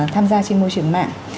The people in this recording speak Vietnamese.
tham gia trên môi trường mạng